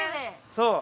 そう。